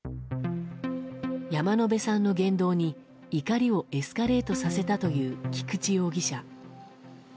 山野辺さんの言動に怒りをエスカレートさせたという菊池容疑者。